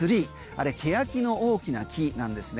あれ、ケヤキの大きな木なんですね。